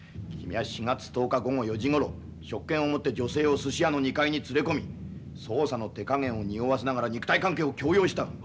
君は４月１０日午後４時ごろ職権をもって女性をすし屋の２階に連れ込み捜査の手加減をにおわせながら肉体関係を強要した。